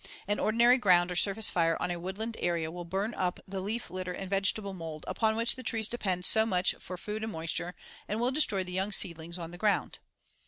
An ordinary ground or surface fire on a woodland area will burn up the leaf litter and vegetable mold, upon which the trees depend so much for food and moisture, and will destroy the young seedlings on the ground.